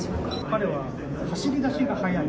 彼は走りだしが速い。